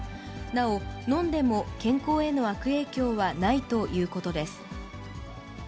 なお、飲んでも健康への悪影響はないということです。